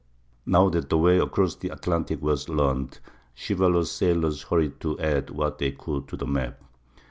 Now that the way across the Atlantic was learned, chivalrous sailors hurried to add what they could to the map.